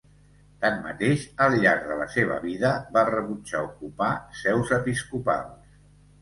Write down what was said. Tanmateix, al llarg de la seva vida va rebutjar ocupar seus episcopals.